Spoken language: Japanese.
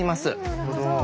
なるほど。